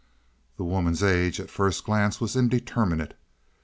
The woman's age was at first glance indeterminate.